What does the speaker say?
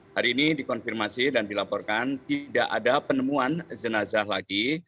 hari ini dikonfirmasi dan dilaporkan tidak ada penemuan jenazah lagi